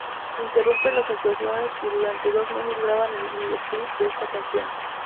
Interrumpen las actuaciones y durante dos meses graban el video clip de esta canción.